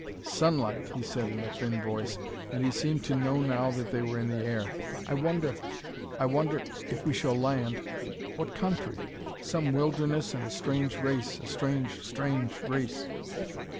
"Sunlight!" he said in a thin voice, and he seemed to know now that they were in the air; "I wonder I wonder if we shall land what country? ... Some wilderness and a strange race a strange, strange race!"